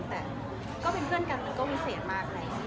แต่ก็เป็นเพื่อนกันก็วิเศษมากเลย